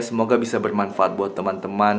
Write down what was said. semoga bisa bermanfaat buat teman teman